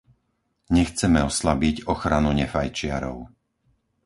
Nechceme oslabiť ochranu nefajčiarov.